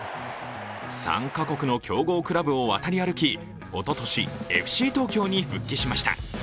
３か国の強豪クラブを渡り歩きおととし、ＦＣ東京に復帰しました。